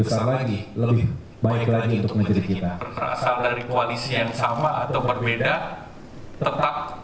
besar lagi lebih baik lagi untuk menjadi berasal dari koalisi yang sama atau berbeda tetap